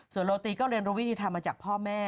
ส่วนโรตีก็เรียนรู้วิธีทำมาจากพ่อแม่